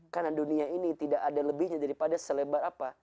karena dunia ini tidak ada lebihnya daripada selebar apa